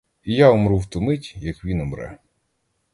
І я умру в ту мить, як він умре.